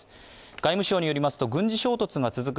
外務省によりますと軍事衝突が続く